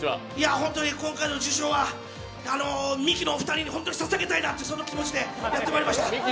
本当に今回の受賞は、ミキのお二人に捧げたいなと、その気持ちでやってまいりました。